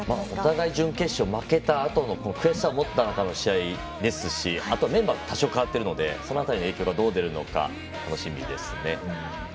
お互い準決勝負けたあとの悔しさを持っての試合ですしメンバーが多少変わってるのでその辺りの影響がどう出るのか、楽しみですね。